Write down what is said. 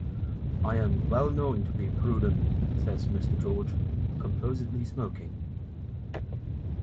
"I am well known to be prudent," says Mr. George, composedly smoking.